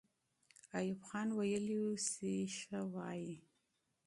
ایوب خان ویلي وو چې ښه وایي.